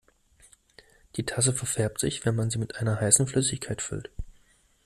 Die Tasse verfärbt sich, wenn man sie mit einer heißen Flüssigkeit füllt.